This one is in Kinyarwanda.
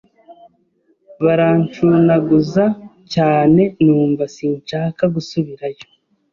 baranshunaguza cyane numva sinshaka gusubirayo